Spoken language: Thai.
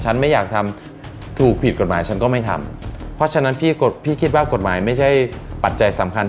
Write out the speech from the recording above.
ไม่อยากทำถูกผิดกฎหมายฉันก็ไม่ทำเพราะฉะนั้นพี่คิดว่ากฎหมายไม่ใช่ปัจจัยสำคัญ